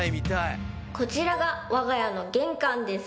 こちらがわが家の玄関です。